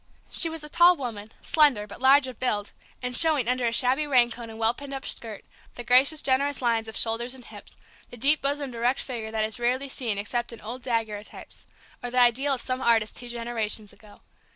She was a tall woman, slender but large of build, and showing, under a shabby raincoat and well pinned up skirt, the gracious generous lines of shoulders and hips, the deep bosomed erect figure that is rarely seen except in old daguerreotypes, or the ideal of some artist two generations ago.